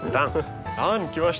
ランきました。